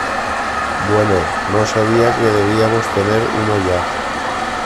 Bueno, no sabia que debíamos tener uno ya.